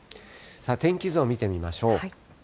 天気図を見てみましょう。